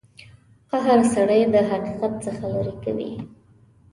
قهر سړی د حقیقت څخه لرې کوي.